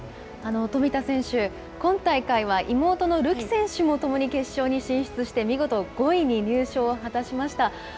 冨田選手、今大会は妹のるき選手も共に決勝に進出して見事５位に入賞を果たしました。